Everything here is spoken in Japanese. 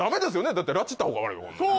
だって拉致った方が悪いもん